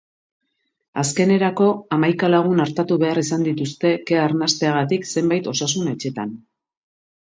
Azkenerako, hamaika lagun artatu behar izan dituzte kea arnasteagatik zenbait osasun etxetan.